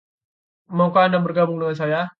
Maukah Anda bergabung dengan saya?